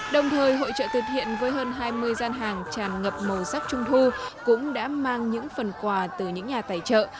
đồng thời hội trợ từ thiện với hơn hai mươi gian hàng tràn ngập màu sắc trung thu cũng đã mang những phần quà từ những nhà tài trợ